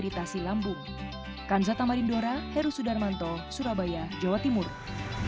durian yang dikonsumsi bersama minuman atau penganan yang mengandung sulfur dapat mengiritasi lambung